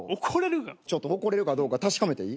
ちょっと怒れるかどうか確かめていい？